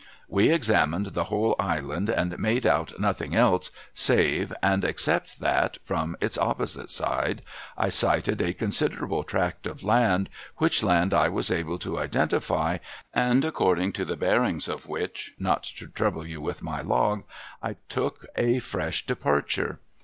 \\'e examined the whole island and made out nothing else, save and except that, from its opposite side, I sighted a considerable tract of land, which land I was able to identify, and according to the bearings of which (not to trouble you with my log) I took a fresh departure.